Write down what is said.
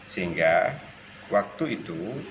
sehingga waktu itu